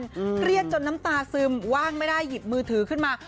เครียดจนน้ำตาซึมว่างไม่ได้หยิบมือถือขึ้นมา